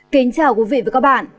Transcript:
kính chào quý vị và các bạn